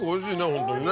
ホントにね。